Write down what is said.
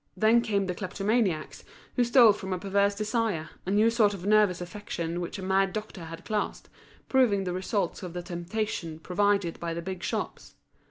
Then came the kleptomaniacs, who stole from a perverse desire, a new sort of nervous affection which a mad doctor had classed, proving the results of the temptation provided by the big shops.